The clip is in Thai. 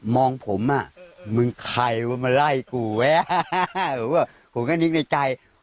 มึงใครว่ามาไล่กูไว้ผมก็นิ่งในใจ